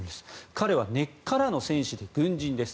彼は根っからの戦士で軍人です。